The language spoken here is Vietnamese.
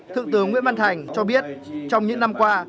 thượng tướng nguyễn văn thành cho biết trong những năm qua